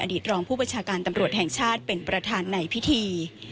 รองผู้บัญชาการตำรวจแห่งชาติเป็นประธานในพิธี